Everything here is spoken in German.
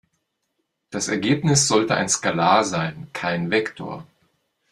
Das Ergebnis sollte ein Skalar sein, kein Vektor.